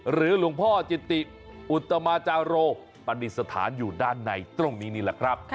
หรือหลวงพ่อจิติอุตมาจารโรปภัณฑิสถานอยู่ด้านในตรงนี้แหละครับ